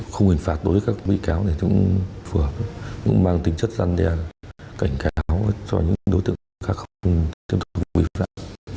không hình phạt đối với các quý cáo này cũng phù hợp cũng mang tính chất gian đe cảnh cáo cho những đối tượng khác không tin tưởng quý phạm